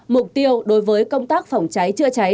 mục tiêu đối với công tác phòng cháy chữa cháy